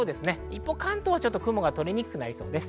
一方、関東は雲が取れにくくなりそうです。